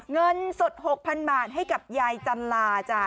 เงินสด๖๐๐๐บาทให้กับยายจันลาจ้ะ